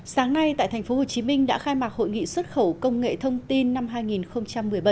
sáng nay tại tp hcm đã khai mạc hội nghị xuất khẩu công nghệ thông tin năm hai nghìn một mươi bảy